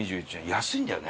安いんだよね。